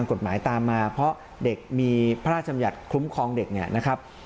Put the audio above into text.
กฎหมายตามมาเพราะเด็กมีพระราชบัญญัติคุ้มครองเด็กเนี่ยนะครับ